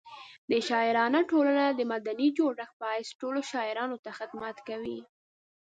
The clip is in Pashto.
د شاعرانو ټولنه د مدني جوړښت په حیث ټولو شاعرانو ته خدمت کوي.